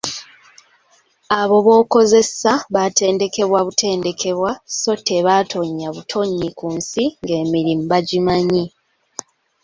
Abo b'okozesa baatendekebwa butendekebwa so tebaatonya butonyi ku nsi ng'emirimu bagimanyi !